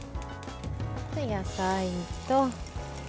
野菜と。